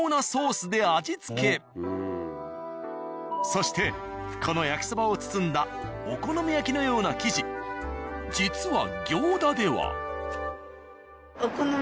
そしてこの焼きそばを包んだお好み焼きのような生地実は行田では。